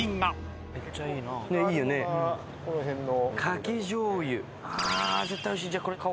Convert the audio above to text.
この辺の。